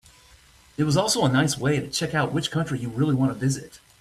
It was also a nice way to check out which country you really want to visit.